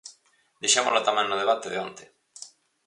Dixémolo tamén no debate de onte.